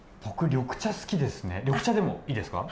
緑茶でもいいですか？